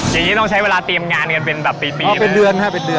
อย่างนี้ต้องใช้เวลาเตรียมงานกันเป็นแบบปีเป็นเดือน๕เป็นเดือน